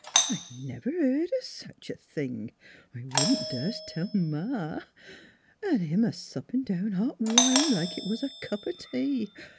I never beared o' sech a thing! ... I wouldn't das t' tell Ma! An' him a suppin' down hot wine, like 't was a cup o' tea.